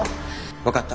分かった。